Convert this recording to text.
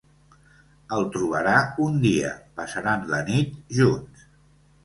El trobarà un dia, passaran la nit junts.